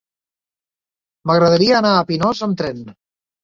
M'agradaria anar a Pinós amb tren.